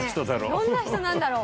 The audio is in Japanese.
どんな人なんだろう？